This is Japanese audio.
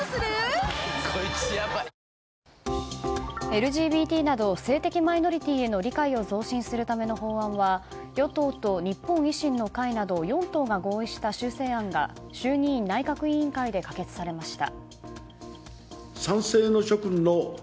ＬＧＢＴなど性的マイノリティーへの理解を増進するための法案は与党と日本維新の会など４党が合意した修正案が衆議院内閣委員会で可決されました。